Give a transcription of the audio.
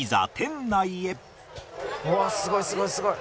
すごいすごいすごい。